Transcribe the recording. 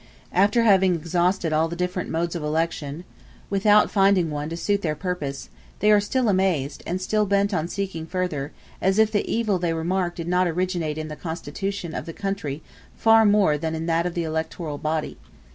After having exhausted all the different modes of election, without finding one to suit their purpose, they are still amazed, and still bent on seeking further; as if the evil they remark did not originate in the constitution of the country far more than in that of the electoral body.